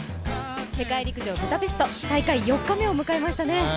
世界陸上、ブダペスト、大会４日目を迎えましたね。